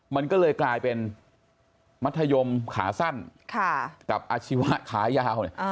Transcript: มันก็เลยกลายเป็นมัธยมขาสั้นกับอาชีวะขายาว